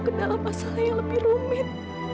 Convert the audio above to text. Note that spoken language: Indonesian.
ke dalam masalah yang lebih rumit